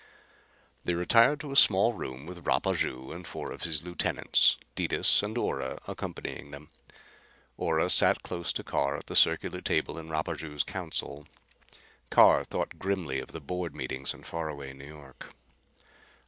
They retired to a small room with Rapaju and four of his lieutenants, Detis and Ora accompanying them. Ora sat close to Carr at the circular table in Rapaju's council. Carr thought grimly of the board meetings in far away New York.